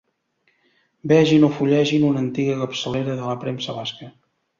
Vegin o fullegin una antiga capçalera de la premsa basca.